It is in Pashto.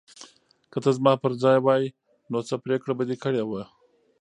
که ته زما په ځای وای، نو څه پرېکړه به دې کړې وه؟